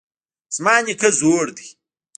زما نیکه زوړ دی